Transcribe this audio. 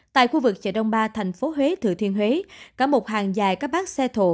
tại khu vực chợ đông ba thành phố huế thừa thiên huế cả một hàng dài các bác xe thổ